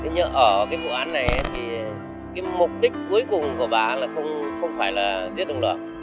nhưng ở vụ án này mục đích cuối cùng của bà không phải là giết đồng lượng